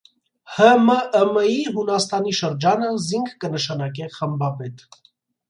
Հ.Մ.Ը.Մ.ի Յունաստանի շրջանը զինք կը նշանակէ խմբապետ։